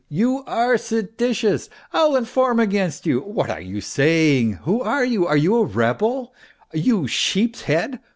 " You are seditious ! I'll inform against you ! What are you saying ? Who are you ? Are you a rebel, you sheep's head